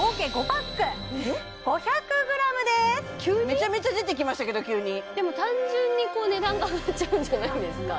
メチャメチャ出てきましたけど急にでも単純にこう値段が上がっちゃうんじゃないですか？